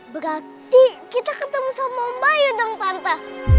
berarti kita ketemu sama om bayu dong tante